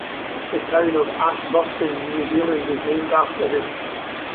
The town of Ashburton, New Zealand is named after him.